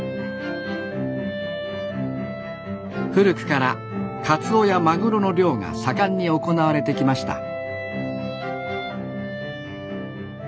古くからカツオやマグロの漁が盛んに行われてきました。